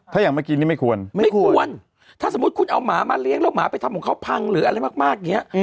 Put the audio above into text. ถ้าอย่างเมื่อกี้นี้ไม่ควรไม่ควรถ้าสมมุติคุณเอาหมามาเลี้ยงแล้วหมาไปทำของเขาพังหรืออะไรมากอย่างนี้